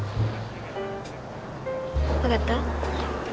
分かった？